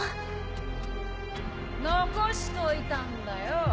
残しといたんだよ。